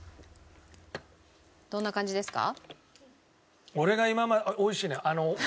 どんな感じですか？